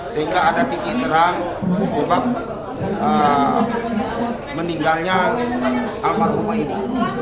sehingga ada titik terang umumnya meninggalnya tamar rumah ini